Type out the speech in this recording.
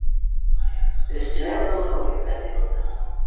Өҫтөмә боҙло һыу һипкәндәй булды!